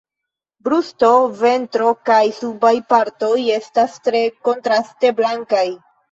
Brusto, ventro kaj subaj partoj estas tre kontraste blankaj.